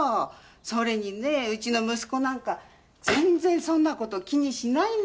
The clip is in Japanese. それにねえうちの息子なんか全然そんな事気にしないんだから。